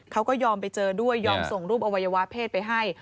เขาก็ยอมไปเจอด้วยยอมส่งรูปอวัยวะเพศไปให้